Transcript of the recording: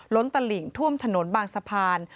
ล้นตะหลิงท่วมถนนบางสะพาน